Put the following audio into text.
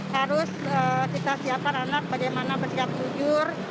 harus kita siapkan anak bagaimana bersiap jujur